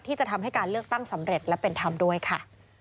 ที่จะทำให้การเลือกตั้งสำเร็จและเป็นธรรมด้วยค่ะ